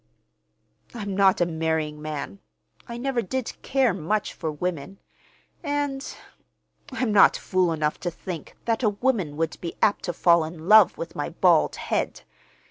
"I'm not a marrying man. I never did care much for women; and—I'm not fool enough to think that a woman would be apt to fall in love with my bald head.